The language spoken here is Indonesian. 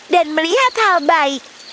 dan melihat hal baik